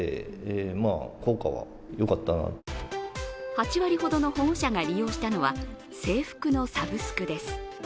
８割ほどの保護者が利用したのは制服のサブスクです。